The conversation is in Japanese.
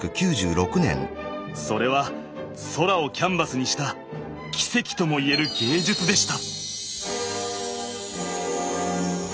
それは空をキャンバスにした奇跡ともいえる芸術でした。